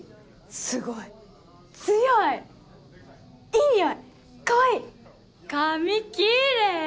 すごい強いいい匂いかわいい髪キレイ。